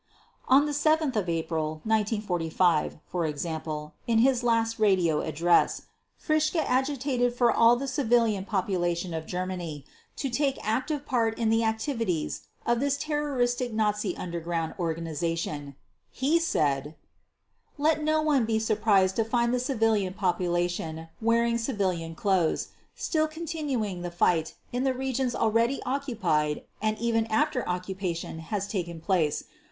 On 7 April 1945, for example, in his last radio address, Fritzsche agitated for all the civilian population of Germany to take active part in the activities of this terroristic Nazi underground organization. He said: "Let no one be surprised to find the civilian population, wearing civilian clothes, still continuing the fight in the regions already occupied and even after occupation has taken place.